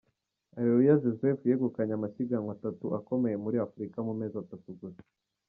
Areruya Joseph yegukanye amasiganwa atatu akomeye muri Africa mu mezi atatu gusa.